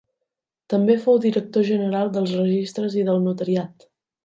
També fou Director General dels Registres i del Notariat.